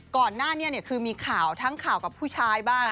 ก่อนหน้านี้คือมีข่าวทั้งข่าวกับผู้ชายบ้าง